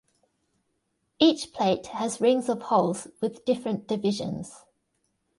Each plate has rings of holes with different divisions.